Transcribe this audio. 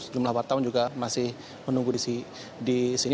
jumlah wartawan juga masih menunggu di sini